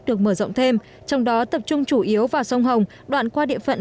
được mở rộng thêm trong đó tập trung chủ yếu vào sông hồng đoạn qua địa phận